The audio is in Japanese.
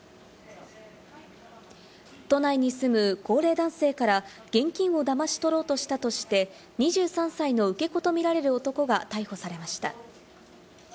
都内に住む高齢男性から、現金をだまし取ろうとしたとして、２３歳の受け子とみられる男が逮捕されました。